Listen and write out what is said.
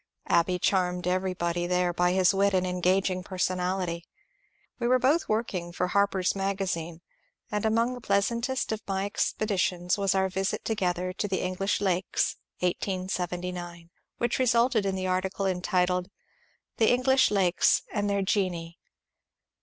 Abbey charmed everybody there by his wit and engaging personality. We were both working for " Har per's Magazine," and among the pleasantest of my expedi tions was our visit together to the English lakes (1879), which resulted in the article entitled ^^ The English Lakes and their Genii."